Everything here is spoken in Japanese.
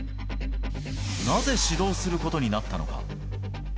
なぜ指導することになったのか。